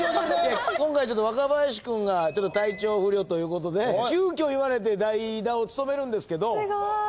今回若林君が体調不良ということで急きょ言われて代打を務めるんですけど。